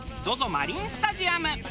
マリンスタジアム。